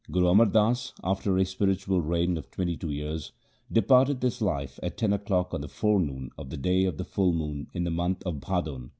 1 Guru Amar Das, after a spiritual reign of twenty two years, departed this life at ten o'clock on the forenoon of the day of the full moon in the month of Bhadon.